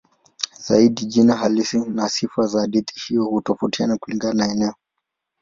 Zaidi jina halisi na sifa za hadithi hiyo hutofautiana kulingana na eneo.